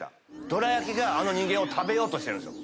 どら焼きがあの人間を食べようとしてるんですよ